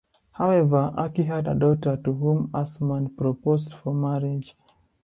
However, Aki had a daughter to whom Asmund proposed for marriage.